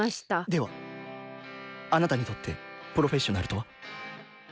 ではあなたにとってプロフェッショナルとは？